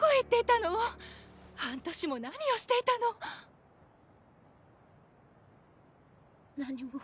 半年も何をしていたの⁉何も。